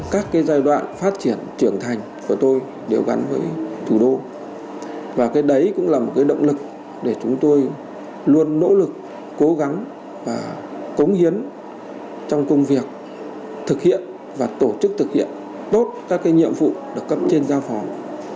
các giai đoạn phát triển trưởng thành của tôi đều gắn với thủ đô và cái đấy cũng là một cái động lực để chúng tôi luôn nỗ lực cố gắng và cống hiến trong công việc thực hiện và tổ chức thực hiện tốt các nhiệm vụ được cấp trên giao phòng